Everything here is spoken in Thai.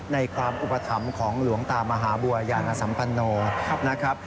ในความอุปฏิภัณฑ์ของหลวงตามหาบัวอย่างอสัมพันธ์โนครับ